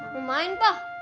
mau main pa